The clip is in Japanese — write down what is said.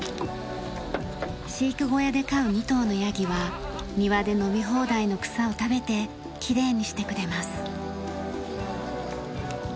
飼育小屋で飼う２頭のヤギは庭で伸び放題の草を食べてきれいにしてくれます。